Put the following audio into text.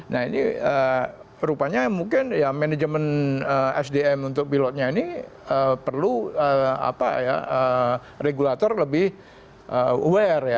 nah ini rupanya mungkin ya manajemen sdm untuk pilotnya ini perlu regulator lebih aware ya